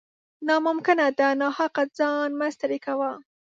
نا ممکنه ده ، ناحقه ځان مه ستړی کوه